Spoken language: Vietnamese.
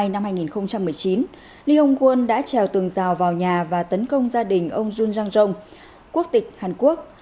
năm hai nghìn một mươi chín lee hong won đã trèo tường rào vào nhà và tấn công gia đình ông jun jang jong quốc tịch hàn quốc